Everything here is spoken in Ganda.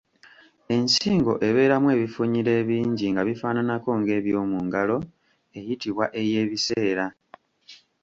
Ensingo ebeeramu ebifunyiro ebingi nga bifaananako ng’ebyomungalo eyitibwa ey’ebiseera.